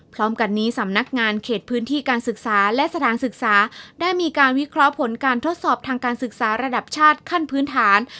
พร้อมกันนี้สำนักงานเขตพื้นที่การศึกษาและสถานศึกษาได้มีการวิเคราะห์ผลการทดสอบทางการศึกษาระดับชาติขั้นพื้นฐาน